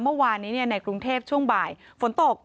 เมื่อวานนี้ในกรุงเทพช่วงบ่ายฝนตก